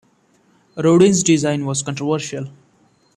Rodin's design was controversial.